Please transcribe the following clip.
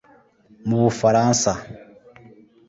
mu Bufaransa